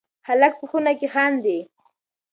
هلک په خونه کې خاندي.